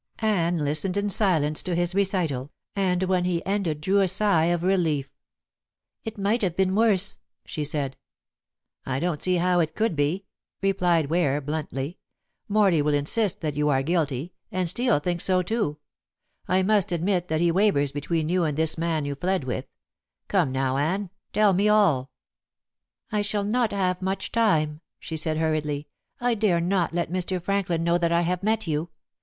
Anne listened in silence to his recital, and when he ended drew a sigh of relief. "It might have been worse," she said. "I don't see how it could be," replied Ware bluntly. "Morley will insist that you are guilty, and Steel thinks so too. I must admit that he wavers between you and this man you fled with. Come now, Anne, tell me all." "I shall not have much time," she said hurriedly. "I dare not let Mr. Franklin know that I have met you.